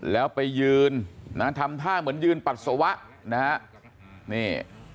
แล้วไปยืนนะทำท่าเหมือนยืนปัสสาวะนะฮะนี่